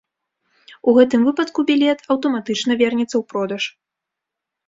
У гэтым выпадку білет аўтаматычна вернецца ў продаж.